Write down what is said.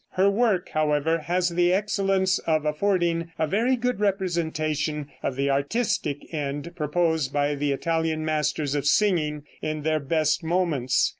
Her work, however, has the excellence of affording a very good representation of the artistic end proposed by the Italian masters of singing in their best moments.